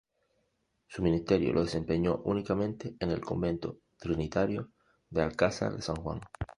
Su ministerio lo desempeñó únicamente en el convento trinitario de Alcázar de San Juan.